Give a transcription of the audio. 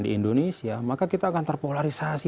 di indonesia maka kita akan terpolarisasi